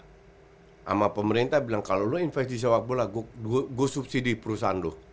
sama pemerintah bilang kalau lo investasi sepak bola gue subsidi perusahaan lo